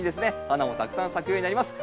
花もたくさん咲くようになります。